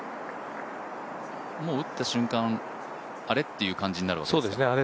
打った瞬間あれ？っていう感じになるんですか？